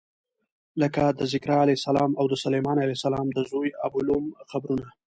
لکه د ذکریا علیه السلام او د سلیمان علیه السلام د زوی ابولوم قبرونه.